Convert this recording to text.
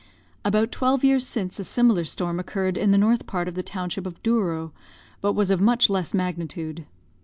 "About twelve years since a similar storm occurred in the north part of the township of Douro, but was of much less magnitude.